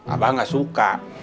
abah gak suka